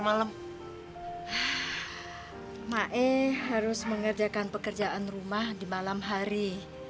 malam mae harus mengerjakan pekerjaan rumah di malam hari